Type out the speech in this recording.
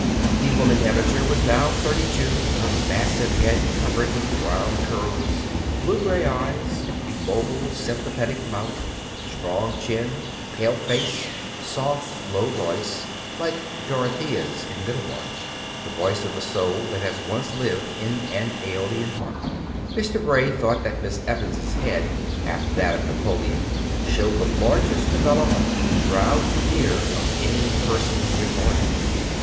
The woman editor was now thirty two; her massive head covered with brown curls, blue gray eyes, mobile, sympathetic mouth, strong chin, pale face, and soft, low voice, like Dorothea's in Middlemarch, "the voice of a soul that has once lived in an Aeolian harp." Mr. Bray thought that Miss Evans' head, after that of Napoleon, showed the largest development from brow to ear of any person's recorded.